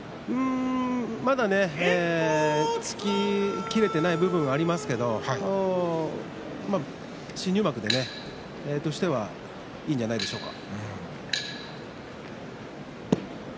まだ突ききれてない部分がありますけれど新入幕としてはいいんじゃないでしょうか。